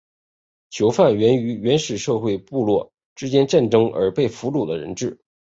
囚犯源于原始社会部落之间战争而被俘虏的人质。